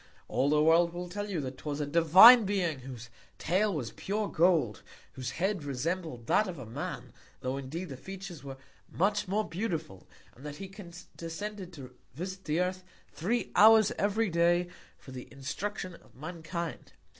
All the World will tell you, that 'twas a divine Being whose Tail was pure Gold, whose Head resembled that of a Man, tho' indeed the Features were much more beautiful; and that he condescended to visit the Earth three Hours every Day, for the Instruction of Mankind.